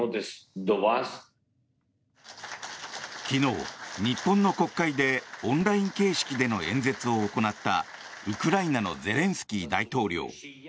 昨日、日本の国会でオンライン形式での演説を行ったウクライナのゼレンスキー大統領。